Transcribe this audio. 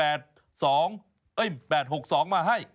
เอ้ะ๘๒มาให้